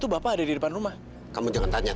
tapi siapa yang nulis ini